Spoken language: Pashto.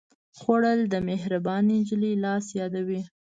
خوړل د مهربانې نجلۍ لاس یادوي